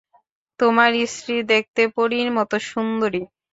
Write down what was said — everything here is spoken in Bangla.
তোমার স্ত্রী দেখতে পরীর মত সুন্দরী।